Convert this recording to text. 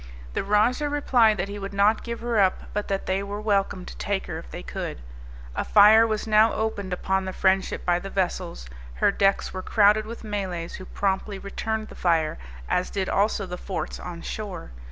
The rajah replied that he would not give her up, but that they were welcome to take her if they could; a fire was now opened upon the Friendship by the vessels, her decks were crowded with Malays, who promptly returned the fire, as did also the forts on shore.